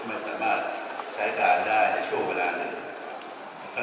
ไม่สามารถใช้การได้ในช่วงเวลาหนึ่ง